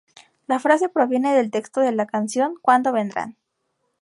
La frase proviene del texto de la canción Cuándo vendrán.